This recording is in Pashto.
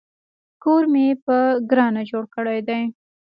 کور مې په ګرانه جوړ کړی دی